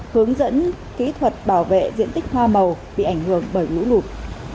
hướng dẫn kỹ thuật bảo vệ diện tích hoa màu bị ảnh hưởng bởi lũ lụt